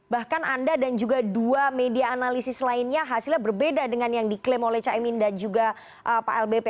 bahkan anda dan juga dua media analisis lainnya hasilnya berbeda dengan yang diklaim oleh caimin dan juga pak lbp